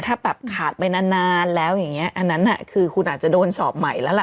ถ้าแบบขาดไปนานนานแล้วอย่างนี้อันนั้นคือคุณอาจจะโดนสอบใหม่แล้วล่ะ